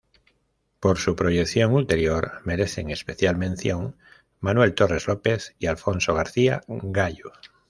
Por su proyección ulterior merecen especial mención Manuel Torres López y Alfonso García-Gallo.